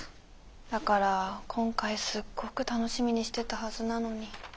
だから今回すっごく楽しみにしてたはずなのに。